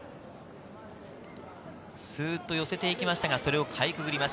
スッと寄せていきましたが、かいくぐります。